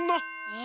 え？